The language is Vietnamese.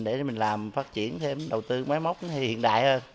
để mình làm phát triển thêm đầu tư máy móc hiện đại hơn